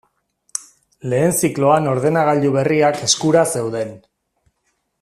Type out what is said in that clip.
Lehen zikloan ordenagailu berriak eskura zeuden.